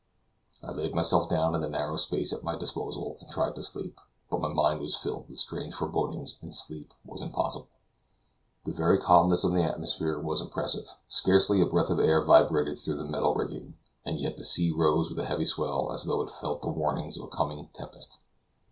I laid myself down in the narrow space at my disposal, and tried to sleep; but my mind was filled with strange forebodings, and sleep was impossible. The very calmness of the atmosphere was oppressive; scarcely a breath of air vibrated through the metal rigging, and yet the sea rose with a heavy swell as though it felt the warnings of a coming tempest.